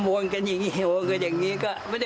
มันรู้จักลุงนักศีล